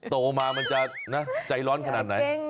โตมามันจะใจร้อนขนาดไหน